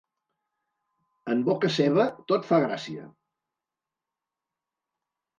En boca seva, tot fa gràcia.